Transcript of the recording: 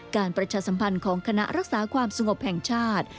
ประชาสัมพันธ์ของคณะรักษาความสงบแห่งชาติ